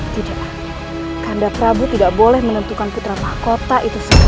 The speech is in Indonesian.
tidak kanda prabu tidak boleh menentukan penentu siapa yang layak menjadi putra mahkota